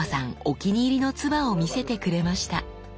お気に入りの鐔を見せてくれました。